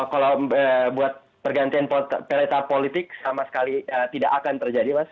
kalau buat pergantian peleta politik sama sekali tidak akan terjadi mas